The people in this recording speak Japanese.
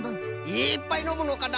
いっぱいのむのかな？